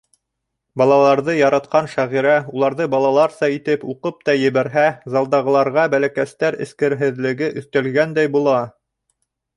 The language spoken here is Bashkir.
Балаларҙы яратҡан шағирә уларҙы балаларса итеп уҡып та ебәрһә, залдағыларға бәләкәстәр эскерһеҙлеге өҫтәлгәндәй була.